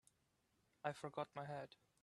I forgot my hat.